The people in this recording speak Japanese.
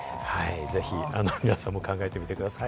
ぜひ皆さんも考えてみてください。